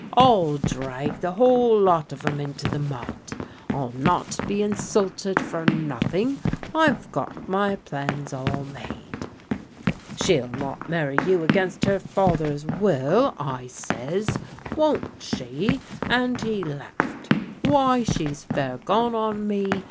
'I'll drag the whole lot of 'em into the mud: I'll not be insulted for nothing. I've got my plans all made.' *'' She'll not marry you against her father's will,' I says. * Won't she ?' and he laughed. ' Why, she's fair gone on me.